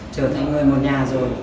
trở thành người một nhà rồi